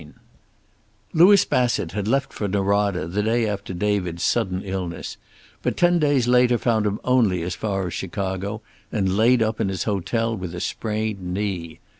XV Louis Bassett had left for Norada the day after David's sudden illness, but ten days later found him only as far as Chicago, and laid up in his hotel with a sprained knee.